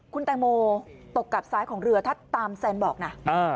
คุณแตงโมตกกับซ้ายของเรือถ้าตามแซนบอกนะ